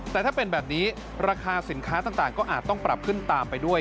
แต่ถ้าเป็นแบบนี้ราคาสินค้าต่างก็อาจต้องปรับขึ้นตามไปด้วย